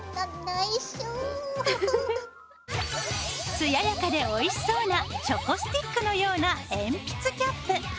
艶やかでおいしそうなチョコスティックのような鉛筆キャップ。